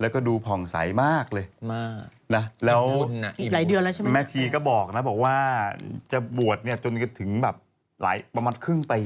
แล้วก็ดูผ่องใสมากเลยแล้วแม่ชีก็บอกนะว่าจะบวชจนถึงประมาณครึ่งปี